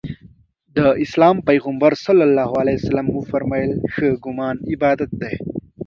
د اسلام پیغمبر ص وفرمایل ښه ګمان عبادت دی.